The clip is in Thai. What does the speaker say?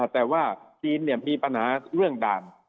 แต่ว่าจีนมีปัญหาเรื่องด่าน